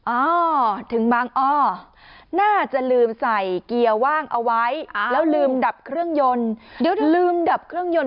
อ้าวถึงบางอ้อน่าจะลืมใส่เกียวว่างเอาไว้แล้วลืมดับเครื่องยนท์